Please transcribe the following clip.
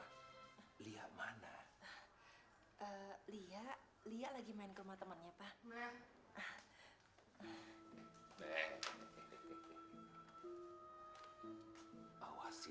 gimana lia ketemu